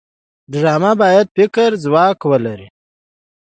ډرامه باید فکري ځواک ولري